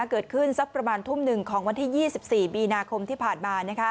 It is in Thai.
สักประมาณทุ่มหนึ่งของวันที่๒๔มีนาคมที่ผ่านมา